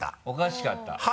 おかしかった？